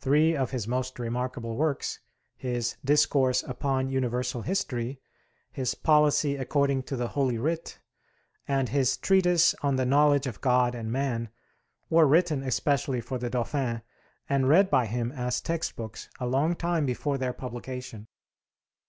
Three of his most remarkable works his 'Discourse upon Universal History,' his 'Policy according to the Holy Writ,' and his 'Treatise on the Knowledge of God and Man' were written especially for the Dauphin, and read by him as textbooks a long time before their publication.